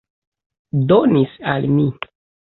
Donis al mi.